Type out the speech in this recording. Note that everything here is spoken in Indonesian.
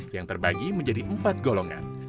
yang terbagi menjadi empat golongan